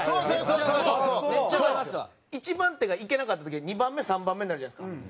１番手がいけなかった時は２番目３番目になるじゃないですか。